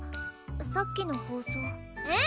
さっきの放送うん